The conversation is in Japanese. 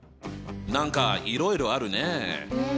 何かいろいろあるね！